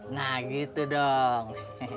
nah gitu dong